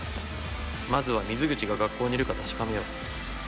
まずは水口が学校にいるか確かめよう。